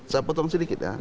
saya potong sedikit ya